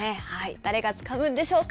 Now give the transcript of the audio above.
誰がつかむんでしょうか。